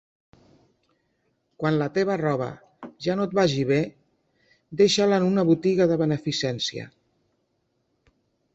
Quan la teva roba ja no et vagi bé, deixa-la en una botiga de beneficència.